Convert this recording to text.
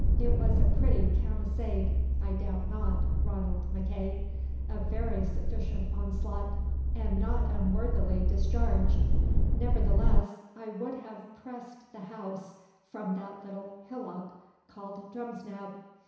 "It was a pretty camisade, I doubt not, Ranald MacEagh, a very sufficient onslaught, and not unworthily discharged. Nevertheless, I would have pressed the house from that little hillock called Drumsnab.